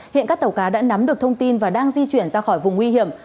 hiện các tàu cá đã nắm được thông tin và đang di chuyển ra khỏi vùng nguy hiểm